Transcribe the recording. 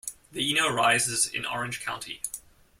The Eno rises in Orange County.